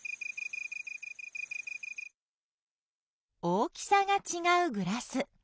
大きさがちがうグラス。